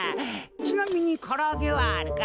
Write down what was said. ちなみにからあげはあるか？